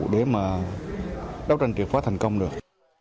để mà đấu tranh triệt phóa thành công được